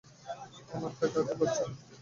আমারটা কাজই করছে না।